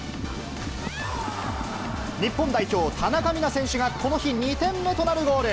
日本代表、田中美南選手がこの日、２点目となるゴール。